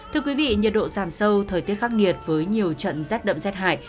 thưa quý vị nhiệt độ giảm sâu thời tiết khắc nghiệt với nhiều trận rét đậm rét hại